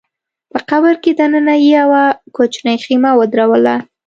په قبر کي دننه يې يوه کوچنۍ خېمه ودروله